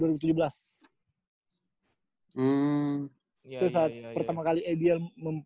terus saat pertama kali abl